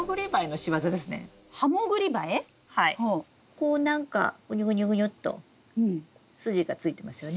こう何かぐにゅぐにゅぐにゅっと筋がついてますよね。